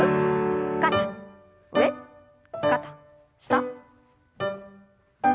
肩上肩下。